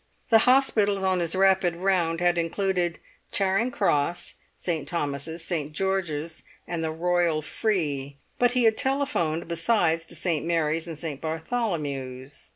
The hospitals on his rapid round had included Charing Cross, St. Thomas's, St. George's, and the Royal Free; but he had telephoned besides to St. Mary's and St. Bartholomew's.